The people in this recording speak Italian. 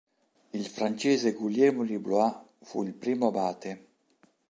Il francese Guglielmo di Blois fu il primo abate.